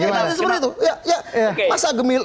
ini kan seperti itu